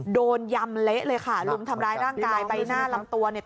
ยำเละเลยค่ะลุมทำร้ายร่างกายใบหน้าลำตัวเนี่ย